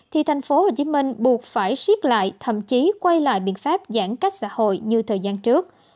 thì tp hcm buộc phải siết lại thậm chí quay lại biện pháp giãn cách xã hội như thời gian trước